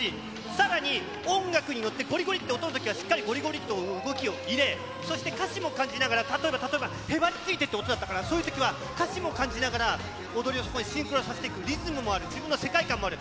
さらに、音楽に乗ってごりごりって音のときはしっかりごりごりという音を入れ、そして、歌詞も感じながら、例えば例えば、へばりついてって音だったから、そういうときは、歌詞も感じながら、踊りをそこにシンクロさせていく、リズムもある、自分の世界観もある。